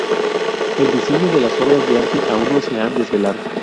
El diseño de las obras de arte aún no se ha desvelado.